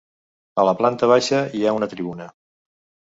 A la planta baixa hi ha una tribuna.